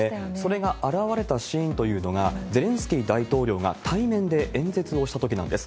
それが表れたシーンというのが、ゼレンスキー大統領が対面で演説をしたときなんです。